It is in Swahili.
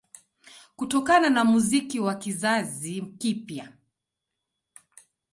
Kutokana na muziki wa kizazi kipya